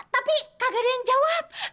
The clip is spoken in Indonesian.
tapi kagak ada yang jawab